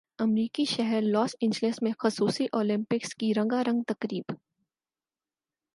امریکی شہر Los Angeles میں خصوصی اولمپکس کی رنگا رنگ تقریب